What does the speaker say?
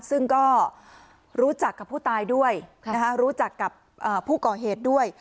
ซึ่งก็รู้จักกับผู้ตายด้วยรู้จักกับผู้ก่อเหตุด้วย